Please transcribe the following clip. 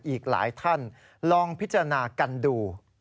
อีกหลายท่านลองพิจารณากันดู